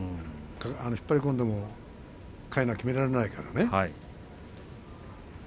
引っ張り込んでもかいなが決められないからね。